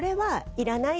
いらない？